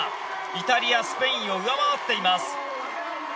イタリア、スペインを上回っています。